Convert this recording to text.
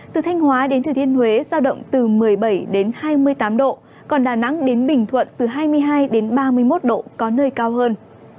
từ thanh hóa đến thừa thiên huế giao động từ một mươi bảy đến hai mươi tám độ còn đà nẵng đến bình thuận từ hai mươi hai ba mươi một độ có nơi cao hơn